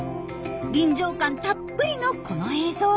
臨場感たっぷりのこの映像。